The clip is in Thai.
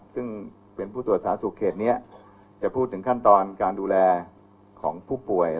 ซึ่งเป็นผู้ตรวจสาสุขเขตนี้จะพูดถึงขั้นตอนการดูแลของผู้ป่วย